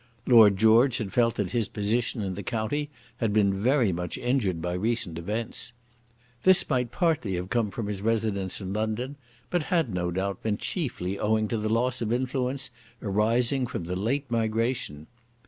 Lord George had felt that his position in the county had been very much injured by recent events. This might partly have come from his residence in London; but had, no doubt, been chiefly owing to the loss of influence arising from the late migration.